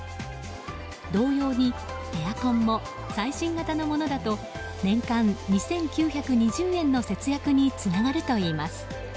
同様に、エアコンも最新型のものだと年間２９２０円の節約につながるといいます。